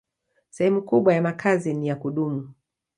Sehemu kubwa ya makazi ni ya kudumu.